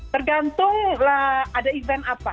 tergantung ada event apa